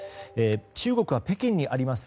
中国は北京にあります